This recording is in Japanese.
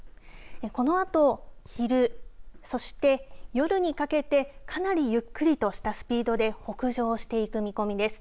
このあと昼、そして夜にかけてかなりゆっくりとしたスピードで北上していく見込みです。